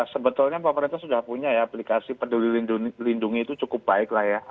sebetulnya pemerintah sudah punya ya aplikasi peduli lindungi itu cukup baik lah ya